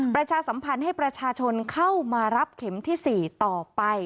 ประชาสัมพันธ์ให้ประชาชนเข้ามารับเข็มที่๔ต่อไป